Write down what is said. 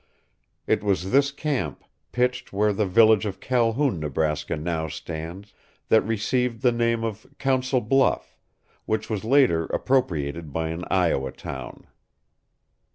It was this camp, pitched where the village of Calhoun, Neb., now stands, that received the name of Council Bluff, which was later appropriated by an Iowa town.